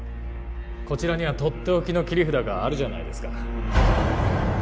こちらにはとっておきの切り札があるじゃないですか